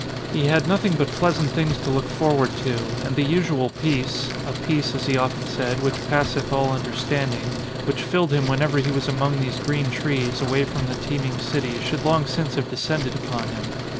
He had nothing but pleasant things to look for ward to and the usual peace (a peace, as he often said, which passeth all understanding), which filled him whenever he was among these green trees, away from the teeming city, should long since have de scended upon him.